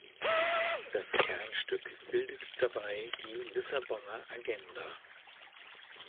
Das Kernstück bildet dabei die Lissabonner Agenda.